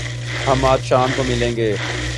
ہم آج شام کو ملیں گے